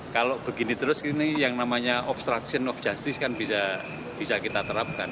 kalau begini terus ini yang namanya obstruction of justice kan bisa kita terapkan